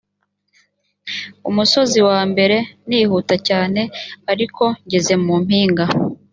umusozi wa mbere nihuta cyane ariko ngeze mu mpinga